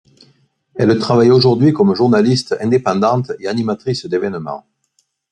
Elle travaille aujourd'hui comme journaliste indépendante et animatrice d'événements.